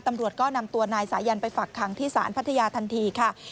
ตำรวจก็นำตัวนายสายันไปฝักขังที่ศาลพัทยาทันทีค่ะ